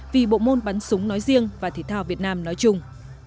vì bộ môn bắn súng nói riêng và thể thao việt nam nói chung